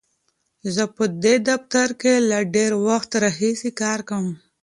زه په دې دفتر کې له ډېر وخت راهیسې کار کوم.